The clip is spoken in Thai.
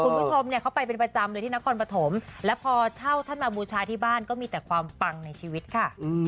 คุณผู้ชมเนี่ยเขาไปเป็นประจำเลยที่นครปฐมแล้วพอเช่าท่านมาบูชาที่บ้านก็มีแต่ความปังในชีวิตค่ะ